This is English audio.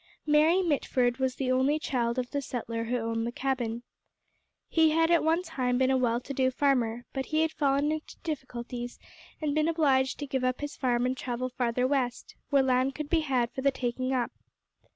Mary Mitford was the only child of the settler who owned the cabin. He had at one time been a well to do farmer, but he had fallen into difficulties and been obliged to give up his farm and travel farther west, where land could be had for the taking up.